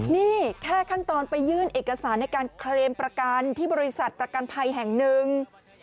นี่แค่ขั้นตอนไปยื่นเอกสารในการเคลมประกันที่บริษัทประกันภัยแห่งหนึ่ง